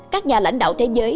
các nhà lãnh đạo thế giới